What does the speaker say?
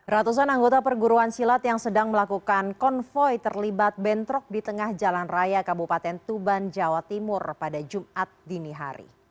ratusan anggota perguruan silat yang sedang melakukan konvoy terlibat bentrok di tengah jalan raya kabupaten tuban jawa timur pada jumat dini hari